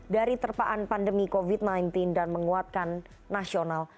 dari terpaan pandemi covid sembilan belas dan menguatkan nasional